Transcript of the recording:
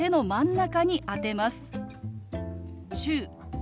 「中」。